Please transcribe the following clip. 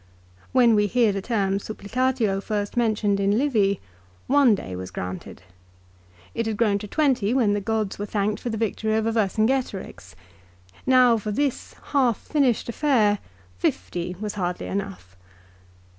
When we hear the term " supplicatio " first mentioned in Livy one day was granted. It had grown to twenty when the gods were thanked for the victory over Vercingetorix. Now for this half finished affair fifty was hardly enough.